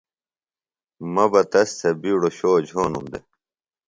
مہ بہ تس تھےۡ بِیڈوۡ شو جھونُم دےۡ